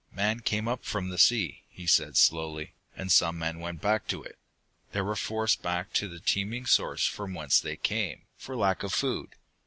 "Man came up from the sea," he said slowly, "and some men went back to it. They were forced back to the teeming source from whence they came, for lack of food.